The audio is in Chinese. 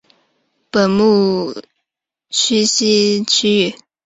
本鱼栖息在舄湖与外礁斜坡的珊瑚丰富的区域。